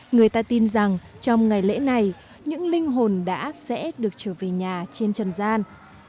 người ta tin rằng trong ngày lễ này những linh hồn đã sẽ được trở về nhà trên trần gian